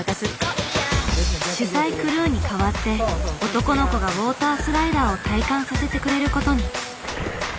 取材クルーに代わって男の子がウォータースライダーを体感させてくれることに。